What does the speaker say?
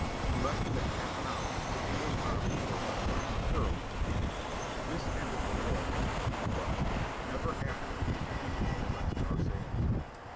In less than half an hour the English army was in flight thoroughly defeated. This ended the War of 1812. Never after did the English molest our sailors.